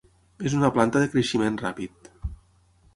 És una planta de creixement ràpid.